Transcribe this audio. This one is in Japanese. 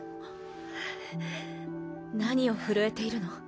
何を震えているの？